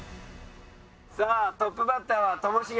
さあトップバッターはともしげ。